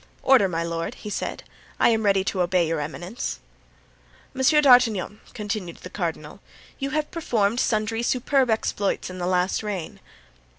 "Order, my lord," he said; "I am ready to obey your eminence." "Monsieur d'Artagnan," continued the cardinal, "you performed sundry superb exploits in the last reign."